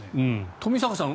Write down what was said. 冨坂さん